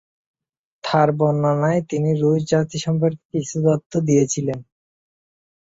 তার বর্ণনায় তিনি রুশ জাতি সম্পর্কে কিছু তথ্য দিয়েছিলেন।